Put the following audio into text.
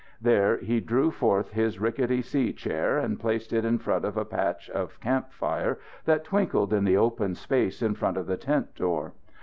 There, he drew forth his rickety sea chair and placed it in front of a patch of campfire that twinkled in the open space in front of the tent door.